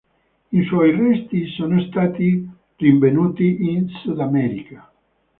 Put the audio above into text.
In suoi resti sono stati rinvenuti in Sudamerica.